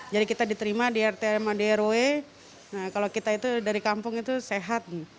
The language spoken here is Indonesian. jadi kita diterima di rtma di roe kalau kita itu dari kampung itu sehat